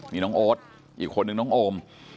นี่น้องโอ๊ตอีกคนนึงน้องโอม